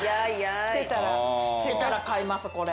知ってたら買いますこれ。